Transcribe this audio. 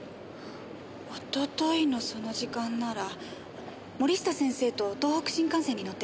一昨日のその時間なら森下先生と東北新幹線に乗ってました。